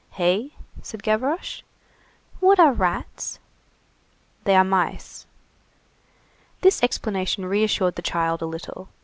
"Hey?" said Gavroche. "What are rats?" "They are mice." This explanation reassured the child a little.